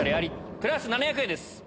プラス７００円です。